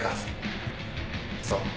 そう。